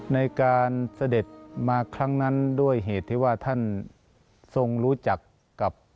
ในการเสด็จมาครั้งนั้นด้วยเหตุที่ว่าท่านทรงรู้จักกับ